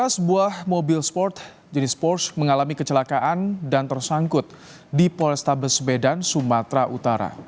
sebuah mobil sport jenis ports mengalami kecelakaan dan tersangkut di polrestabes medan sumatera utara